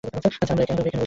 আচ্ছা, তবে এইখানেই বোসো।